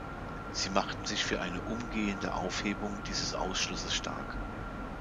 Sie machten sich für eine umgehende Aufhebung dieses Ausschlusses stark.